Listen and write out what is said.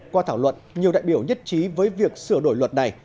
qua thảo luận nhiều đại biểu nhất trí với việc sửa đổi luật này